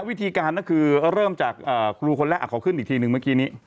วิธีการก็คือเริ่มจากครูคนแรกขอขึ้นอีกทีหนึ่งเมื่อกี้นี้